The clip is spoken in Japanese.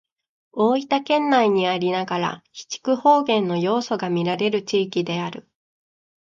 大分県内にありながら肥筑方言の要素がみられる地域である。